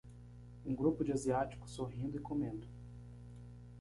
Um grupo de asiáticos sorrindo e comendo